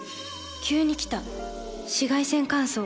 急に来た紫外線乾燥。